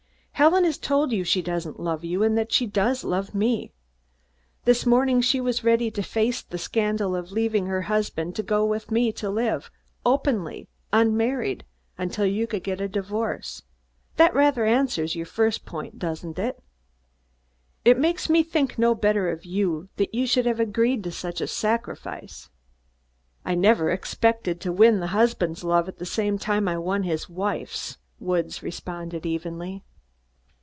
"Helen has told you she doesn't love you, and that she does love me. This morning she was ready to face the scandal of leaving her husband; to go to live with me, to live openly with me, unmarried, until you could get a divorce. That rather answers your first point, doesn't it?" "It makes me think no better of you, that you should have agreed to such a sacrifice." "I never expected to win the husband's love at the same time I won his wife's," Woods responded evenly.